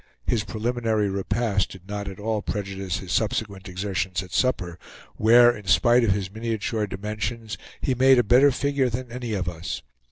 His preliminary repast did not at all prejudice his subsequent exertions at supper; where, in spite of his miniature dimensions, he made a better figure than any of us.